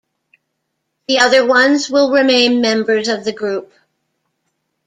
The other ones will remain members of the group.